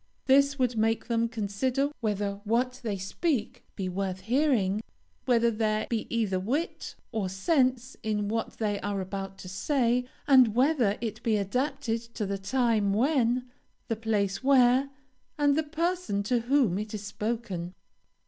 This would make them consider whether what they speak be worth hearing; whether there be either wit or sense in what they are about to say; and whether it be adapted to the time when, the place where, and the person to whom, it is spoken."